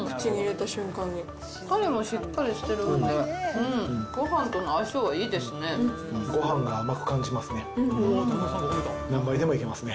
たれもしっかりしてるんで、ごはんとの相性はいいですね。